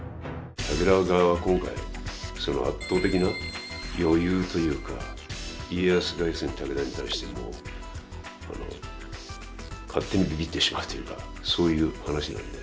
武田側は今回その圧倒的な余裕というか家康が要するに武田に対しても勝手にびびってしまうというかそういう話なんで。